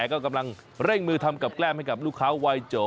ก็กำลังเร่งมือทำกับแก้มให้กับลูกค้าวายโจ